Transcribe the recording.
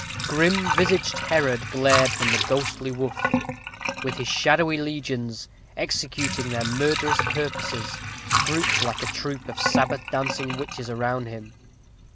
Grim visaged Herod glared from the ghostly woof, with his shadowy legions, executing their murderous purposes, grouped like a troop of Sabbath dancing witches around him.